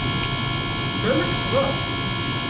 Balak ccḍeɣ.